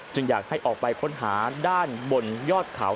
อยากให้ออกไปค้นหาด้านบนยอดเขา